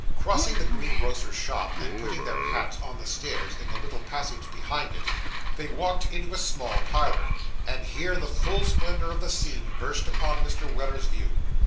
Crossing the greengrocer's shop, and putting their hats on the stairs in the little passage behind it, they walked into a small parlour; and here the full splendour of the scene burst upon Mr. Weller's view.